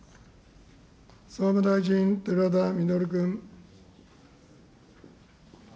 総務大臣、寺田稔君。